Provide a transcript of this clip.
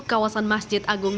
ke kawasan masjid agung